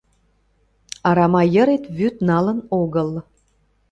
Арама йырет вӱд налын огыл